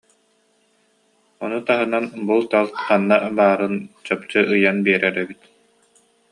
Ону таһынан булт-алт ханна баарын чопчу ыйан биэрэр эбит